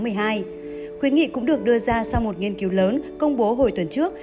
hội nghị cũng được đưa ra sau một nghiên cứu lớn công bố hồi tuần trước